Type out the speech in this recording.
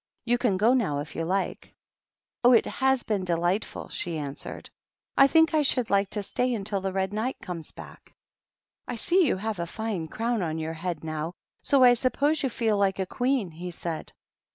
You can go now, if you like." 300 THE PAGEANT. "Oh, it has been delightful!" she answered. "I think I should like to stay until the Red Knight comes back." "I see you have a fine crown on your head now ; so I suppose you feel like a queen," he said.